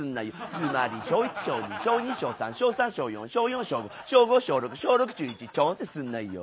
つまり小１小２小２小３小３小４小４小５小５小６小６中１ちょんってすなよ